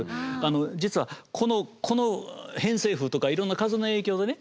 実はこの偏西風とかいろんな風の影響でね